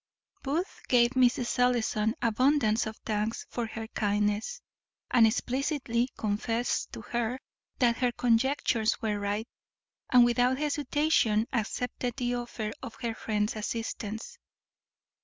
Booth gave Mrs. Ellison abundance of thanks for her kindness, and explicitly confessed to her that her conjectures were right, and, without hesitation, accepted the offer of her friend's assistance.